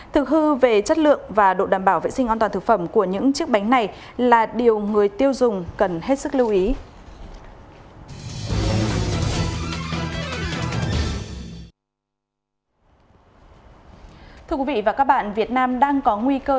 thực hư về chất lượng và độ đảm bảo vệ sinh an toàn thực phẩm của những chiếc bánh này là điều người tiêu dùng cần hết sức lưu ý